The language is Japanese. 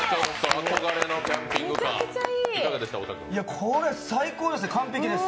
これ、最高ですね完璧です。